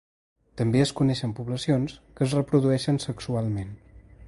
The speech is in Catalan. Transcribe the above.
També es coneixen poblacions que es reprodueixen sexualment.